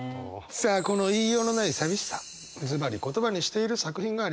さあこの言いようのない寂しさズバリ言葉にしている作品がありました。